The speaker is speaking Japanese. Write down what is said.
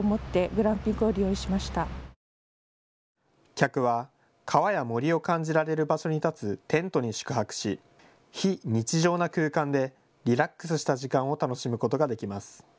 客は川や森を感じられる場所に立つテントに宿泊し、非日常な空間でリラックスした時間を楽しむことができます。